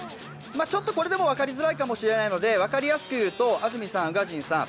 これでも分かりづらいかもしれないので、分かりやすく言うと安住さん宇賀神さん